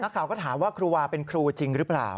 ข่าวก็ถามว่าครูวาเป็นครูจริงหรือเปล่า